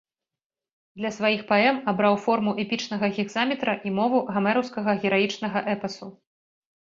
Для сваіх паэм абраў форму эпічнага гекзаметра і мову гамераўскага гераічнага эпасу.